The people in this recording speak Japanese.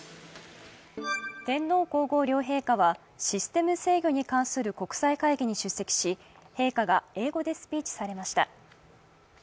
天皇皇后両陛下はシステム制御に関する国際会議に出席し陛下が英語でスピーチされました。